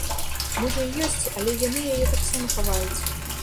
Можа і ёсць, але яны яе таксама хаваюць.